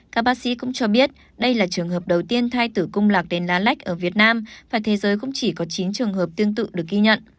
các bác sĩ cũng cho biết đây là trường hợp đầu tiên thai tử cung lạc đến lá lách ở việt nam và thế giới cũng chỉ có chín trường hợp tương tự được ghi nhận